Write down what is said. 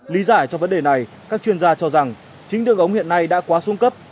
lý giải cho vấn đề này các chuyên gia cho rằng chính đường ống hiện nay đã quá xuống cấp